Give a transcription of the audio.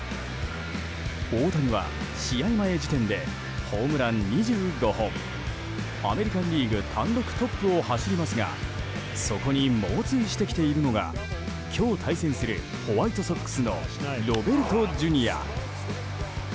大谷は試合前時点でホームラン２５本アメリカン・リーグ単独トップを走りますがそこに猛追してきているのが今日、対戦するホワイトソックスのロベルトＪｒ．。